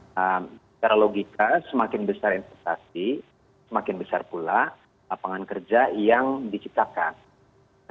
secara logika semakin besar investasi semakin besar pula lapangan kerja yang diciptakan